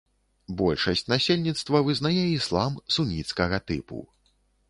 Большасць насельніцтва вызнае іслам суніцкага тыпу.